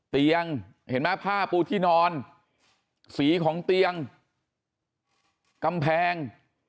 เตียงเห็นไหมผ้าปูที่นอนสีของเตียงกำแพง